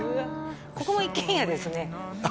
ここも一軒家ですねああ